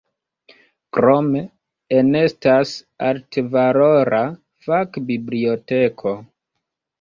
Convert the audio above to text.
Krome enestas altvalora fak-biblioteko.